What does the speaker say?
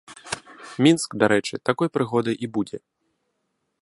Мінск, дарэчы, такой прыгодай і будзе.